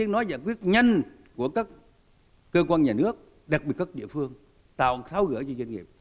nó giải quyết nhanh của các cơ quan nhà nước đặc biệt các địa phương tạo tháo gỡ cho doanh nghiệp